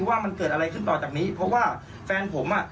ว่ามันเกิดอะไรขึ้นต่อจากนี้เพราะว่าแฟนผมอ่ะ